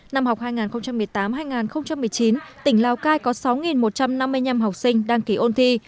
năm học hai nghìn một mươi tám hai nghìn một mươi chín tỉnh lào cai có sáu một trăm năm mươi năm học sinh đăng ký ôn thi